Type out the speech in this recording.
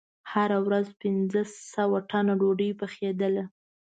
هره ورځ پنځه سوه تنه ډوډۍ پخېدله.